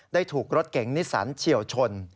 ได้ถูกรถเก๋งนิสันเฉียวชน